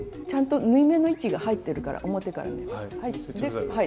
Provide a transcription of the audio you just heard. ちゃんと縫い目の位置が入ってるから表から見ると。